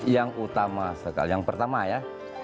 yang utama sekali yang pertama ya